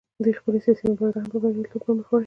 دوی خپله سیاسي مبارزه هم په بریالیتوب پر مخ وړي